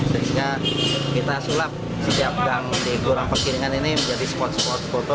sehingga kita sulap setiap gang di gorang pekiringan ini menjadi spot spot foto